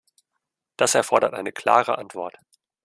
Das erfordert eine klare Antwort.